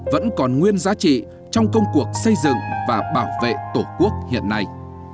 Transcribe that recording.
vẫn còn nguyên giá trị trong công cuộc xây dựng và bảo vệ tổ quốc hiện nay